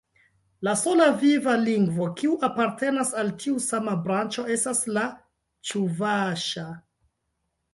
La sola viva lingvo kiu apartenas al tiu sama branĉo estas la Ĉuvaŝa.